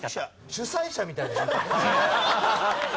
主催者みたいだね。